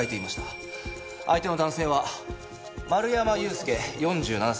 相手の男性は丸山雄介４７歳。